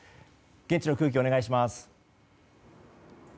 現地の空気、お願いします。